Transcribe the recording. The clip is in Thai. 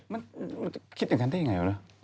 มันคิดอย่างนั้นได้ยังไงวะ